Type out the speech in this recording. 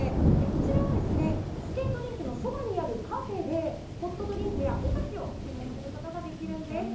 こちらはスケートリンクのそばにあるカフェでホットドリンクやお菓子を注文することができるんです。